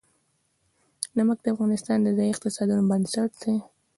نمک د افغانستان د ځایي اقتصادونو بنسټ دی.